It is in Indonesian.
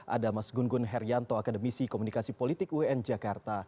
ada mas gunggun heryanto akademisi komunikasi politik un jakarta